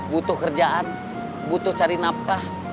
butuh kerjaan butuh cari nafkah